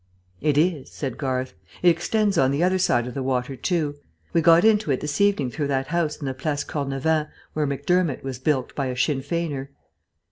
"It is," said Garth. "It extends on the other side of the water too. We got into it this evening through that house in the Place Cornavin where Macdermott was bilked by a Sinn Feiner."